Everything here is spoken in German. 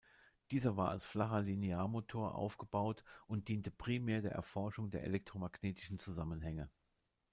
Dieser war als flacher Linearmotor aufgebaut und diente primär der Erforschung der elektromagnetischen Zusammenhänge.